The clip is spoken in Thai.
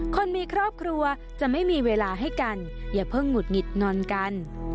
คนมีครอบครัวจะไม่มีเวลาให้กันอย่าเพิ่งหุดหงิดงอนกัน